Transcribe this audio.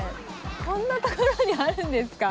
こんな所にあるんですか？